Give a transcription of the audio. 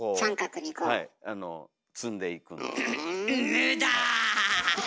無駄！